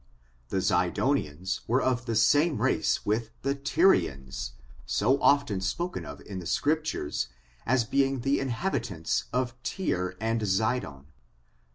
The Zidonians were of the same race with the Tyrians, so often spoken of in the Scriptures as being the in habitants of Tyre and Zidon.